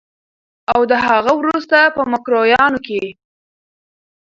او د هغه وروسته په مکروریانو کې